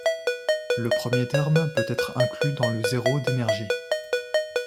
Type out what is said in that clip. Le premier terme peut être inclus dans le zéro d'énergie.